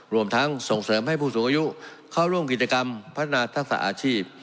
รวมทั้งส่งเสริมให้ผู้สูงอายุเข้าร่วมกิจกรรมพัฒนาทักษะอาชีพ